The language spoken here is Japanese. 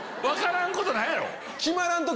分からんことないやろ？